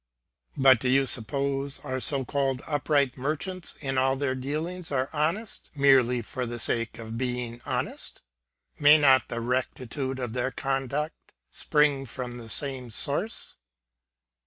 But do you suppose our so« called upright merchants in all their dealings are honest merely for the sake of being honest? May not the rectitude of their conduct spring from the same source